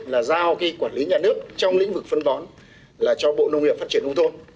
là giao quản lý nhà nước trong lĩnh vực phân bón cho bộ nông nghiệp phát triển hùng thôn